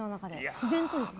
自然とですか？